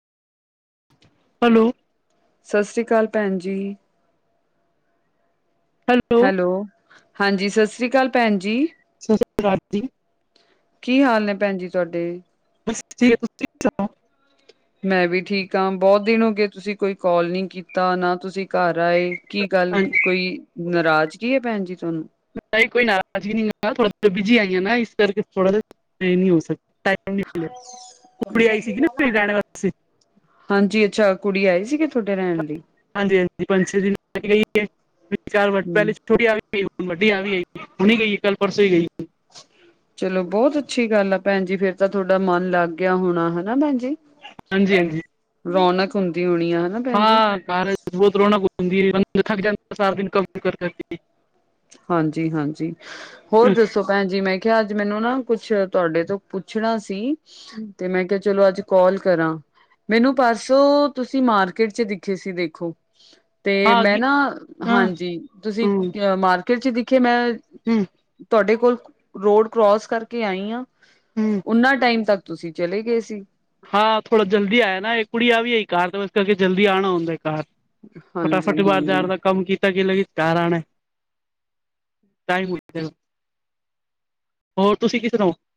Hello. ਸਸਰੀ ਕਾਲ ਭੈਣਜੀ। ਹੈ ਹੈਲੋ ਹਾਂਜੀ, ਸਸਰੀ ਕਾਲ ਪੈਂਣ ਜੀ। ਸਸਰੀਕਾਲ ਜੀ। ਕੀ ਹਾਲ ਨੇ ਪੈਣ ਜੀ ਤੁਆਡੇ? [inaudible] ਮੈਂ ਵੀ ਠੀਕ ਆ, ਬਹੁਤ ਦਿਨ ਹੋਗੇ ਤੁਸੀਂ ਕੋਈ ਕੋਲ ਨੀ ਕੀਤਾ ਨਾ ਤੁਸੀਂ ਘਾਰ ਆਏ। ਕੀ ਗੱਲ ਹਾਂਜੀ ਕੋਈ ਨਾਰਾਜ਼ਗੀ ਏ ਪੈੰਣ ਜੀ ਤੁਆਨੂੰ? ਨਹੀਂ, ਕੋਈ ਨਾਰਾਜ਼ਗੀ ਨਹੀਂ, ਮੈਂ ਥੋੜਾ ਬਿਜੀ ਹੈਗੀ ਆ ਨਾ ਇਸ ਕਰਕੇ ਥੋੜ੍ਹਾ ਜੇਆ ਤੇ ਨਹੀਂ ਹੋ ਸ ਸੀਗੀ ਨਾ ਮੇਰੀ ਹਾਂਨ। ਰਹਿਣ ਵਾਸਤੇ ਹਾਂਜੀ, ਅੱਛਾ ਕੁੜੀ ਆਈ ਸੀਗੀ ਤੁਹਾਡੇ ਰੇਣ ਲਈ? ਹਾਂਜੀ ਹਾਂਜੀ ਪੰਜ ਛੇਂ ਦਿਨ ਰੇਕੇ ਗਈ [inaudible] ਹਮ ਛੋਟੀ ਆ ਕੇ ਗਈ, ਹੁਣ ਵੱਡੀ ਆ ਗਈ ਏ, ਹੁਣੀ ਗਈ, ਕੱਲ੍ਹ ਪਰਸੋਂ ਹੀ ਗਈ। [inaudible] ਚਲੋ, ਬਹੁਤ ਅੱਛੀ ਗੱਲ ਏ ਪੈਂਣ ਜੀ, ਫੇਰ ਤਾਂ ਤੁਆਡਾ ਮਾਨ ਲਾਗ ਗਿਆ ਹੋਣਾ, ਹਨਾ ਪੈਂਣ ਜੀ? ਹਾਂਜੀ-ਹਾਂਜੀ। ਰੌਣਕ ਹੁੰਦੀ ਹੋਣੀ ਏ ਹਨ ਹਾਂ ਘਾਰ [inaudible] ਹਾਂਜੀ-ਹਾਂਜੀ ਹੋਰ ਦੱਸੋ? ਪੈਂਜੀ ਮੈਂ ਕਿਆ, ਅੱਜ ਮੈਨੂੰ ਨਾ ਕੁਛ ਤੁਹਾਡੇ ਤੋਂ ਪੁੱਛਣਾ ਸੀ, ਤੇ ਮੈਂ ਕਿਆ ਚਲੋ ਅੱਜ ਕਾਲ ਕਰਾਂ ਮੈਨੂੰ ਪਾਰਸੋਂ ਤੁਸੀਂ ਮਾਰਕੀਟ ਚ ਦਿਖੇ ਸੀ, ਦੇਖੋ! ਤੇ ਮੈਂ ਹਾਂ ਨਾ-ਹਾਂਜੀ, ਤੁਸੀਂ ਅ--ਮਾਰਕੀਟ ਚ ਦਿਖੇ, ਮੈਂ ਹਮ। ਤੁਆਡੇ ਕੋਲ ਰੋਡ ਕਰੋਸ ਕਰਕੇ ਆਈ ਆ, ਹੂੰ ਓਨਾਂ ਟਾਈਮ ਤੱਕ ਤੁਸੀਂ ਚਲੇ ਗਏ ਸੀ। ਹਾਂ, ਥੋੜਾ ਜਲਦੀ ਆਇਆ ਨਾ, ਇੱਕ ਕੁੜੀਆ ਵੀ ਕਾਰ ਤਾਂ ਇਸ ਕਰਕੇ ਜਲਦੀ ਆਉਣਾ ਹੁੰਦਾ ਕਾਰ ਫਟਾਫਟ ਬਾਹਾਰ ਹਾਂਜੀ-ਹਾਂਜੀ ਜਾਣ ਦਾ ਕੰਮ ਕੀਤਾ ਕੀ ਲ ਕਰਣਾ ਟਾਈ [unintelligible] ਹੋਰ ਤੁਸੀਂ ਕਿਦਰ ਓ?